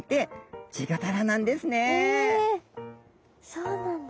そうなんだ。